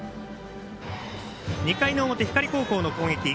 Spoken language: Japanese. ２回の表、光高校の攻撃。